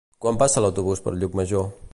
Quan passa l'autobús per Llucmajor?